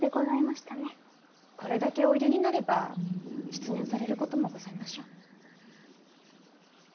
これだけおいでになれば失念されることもございましょう。